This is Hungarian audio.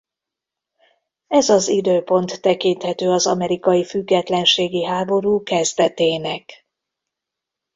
Ez az időpont tekinthető az amerikai függetlenségi háború kezdetének.